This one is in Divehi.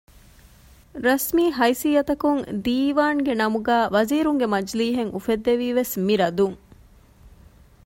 ރަސްމީ ހައިސިއްޔަތަކުން ދީވާންގެ ނަމުގައި ވަޒީރުންގެ މަޖިލީހެއް އުފެއްދެވީވެސް މި ރަދުން